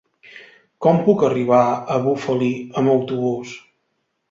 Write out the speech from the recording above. Com puc arribar a Bufali amb autobús?